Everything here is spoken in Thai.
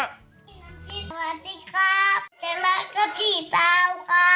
สวัสดีครับช่วยแล้วกับพี่เป๋าค่ะ